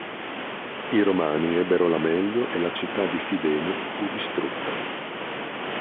I Romani ebbero la meglio e la città di Fidene fu distrutta.